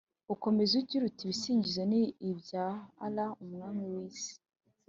ukomeza ugira uti “ibisingizo ni ibya allah, umwami w’isi: